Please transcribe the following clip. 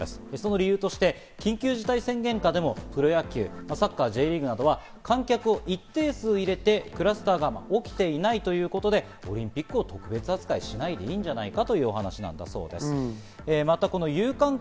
理由として緊急事態宣言下でもプロ野球、サッカー、Ｊリーグなどは観客を一定数入れてクラスターが起きていないということでオリンピックを特別扱いしないでいいんじゃないかというお話だそうです。